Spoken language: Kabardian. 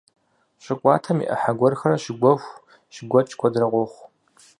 Щӏы кӏуатэм и ӏыхьэ гуэрхэр щыгуэху, щыгуэкӏ куэдрэ къохъу.